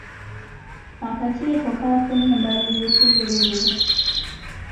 Akakiiko kaafunye embalirira eteeberezebwa.